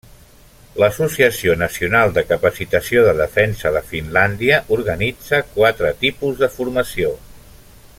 L'Associació Nacional de Capacitació de Defensa de Finlàndia organitza quatre tipus de formació.